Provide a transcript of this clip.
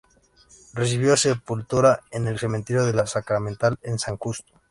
Recibió sepultura en el cementerio de la Sacramental de San Justo.